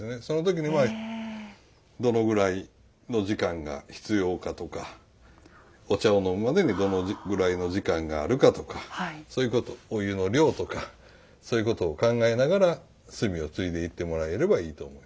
その時にどのぐらいの時間が必要かとかお茶を飲むまでにどのぐらいの時間があるかとかそういうことお湯の量とかそういうことを考えながら炭をついでいってもらえればいいと。